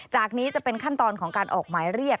นี้จะเป็นขั้นตอนของการออกหมายเรียก